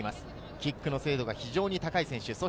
キックの精度が非常に高い選手です。